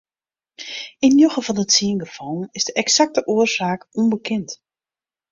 Yn njoggen fan de tsien gefallen is de eksakte oarsaak ûnbekend.